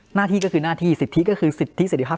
หน้าที่ก็คือหน้าที่สิทธิก็คือสิทธิเสร็จภาพ